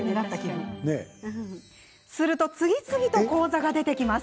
すると次々と講座が出てきます。